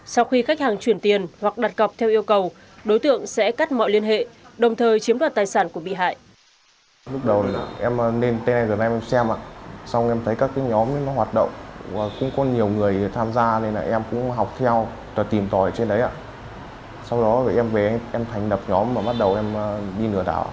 sau khi khách hàng chuyển tiền hoặc đạt cọc theo yêu cầu đối tượng sẽ cắt mọi liên hệ đồng thời chiếm đoạt tài sản của bị hại